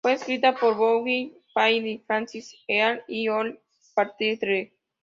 Fue escrita por Dougie Payne, Francis Healy y Holly Partridge.